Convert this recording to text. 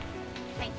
はい。